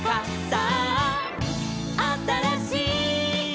「さああたらしい」